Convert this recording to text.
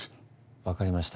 わかりました。